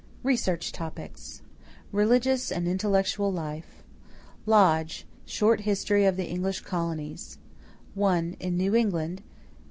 =Research Topics= =Religious and Intellectual Life.= Lodge, Short History of the English Colonies: (1) in New England, pp.